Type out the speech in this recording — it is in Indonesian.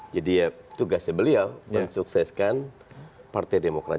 jadi ya tugasnya beliau mensukseskan partai demokrat